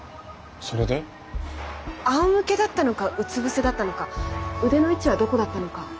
あおむけだったのかうつ伏せだったのか腕の位置はどこだったのか。